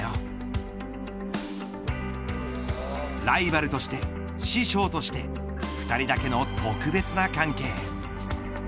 ライバルとして、師匠として２人だけの特別な関係。